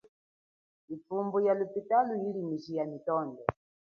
Ithumbo ya lophitalo, yili miji ya mitondo.